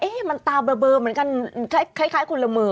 มันตาเบอร์เหมือนกันคล้ายคนละมือ